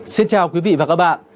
xin chào quý vị và các bạn